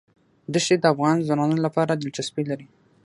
دښتې د افغان ځوانانو لپاره دلچسپي لري.